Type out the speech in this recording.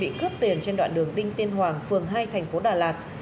bích đã cướp tiền trên đoạn đường đinh tiên hoàng phường hai thành phố đà lạt